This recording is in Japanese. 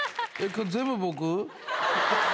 これ全部、僕？